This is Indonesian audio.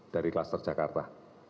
dari kluster jakarta